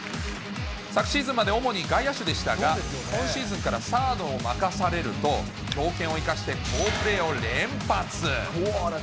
昨シーズンまで主に外野手でしたが、今シーズンからサードを任されると、強肩を生かして好プレーを連発。